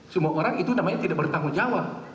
semua orang itu namanya tidak bertanggung jawab